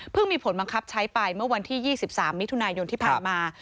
มีผลบังคับใช้ไปเมื่อวันที่๒๓มิถุนายนที่ผ่านมา